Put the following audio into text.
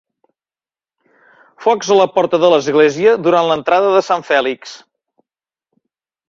Focs a la porta de l'església durant l'entrada de Sant Fèlix.